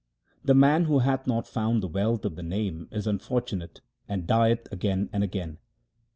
The man who hath not found the wealth of the Name is unfortunate and dieth again and again.